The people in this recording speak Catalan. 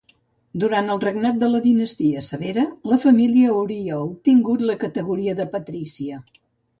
Durant el regnat de la Dinastia Severa, la família hauria obtingut la categoria de patrícia.